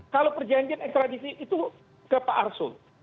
kalau perjanjian ekstradisi itu ke pak arsul